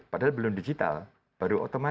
padahal belum digital baru otomatis